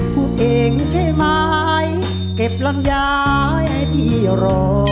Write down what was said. พูดเองใช่ไหมเก็บลำยายให้พี่รอ